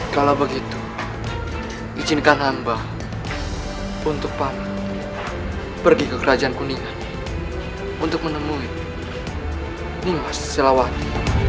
kalau begitu izinkan hamba untuk pamu pergi ke kerajaan kuningan untuk menemui nimas silawati